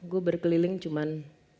gue berkeliling cuman